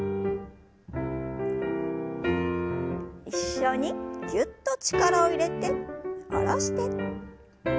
一緒にぎゅっと力を入れて下ろして。